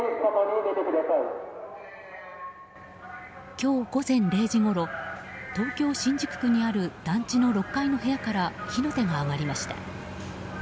今日午前０時ごろ東京・新宿区にある団地の６階の部屋から火の手が上がりました。